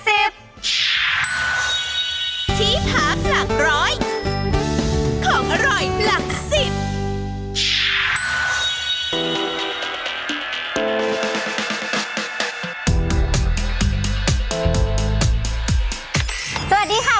สวัสดีค่ะคุณผู้ชม